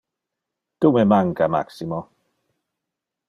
Tu me manca, Maximo.